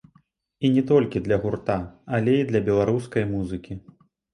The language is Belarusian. І не толькі для гурта, але і для беларускай музыкі.